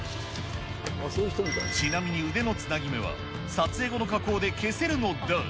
ちなみに腕のつなぎ目は、撮影後の加工で消せるのだ。